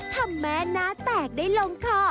ธรรมแม่น้าแตกได้ลงคอ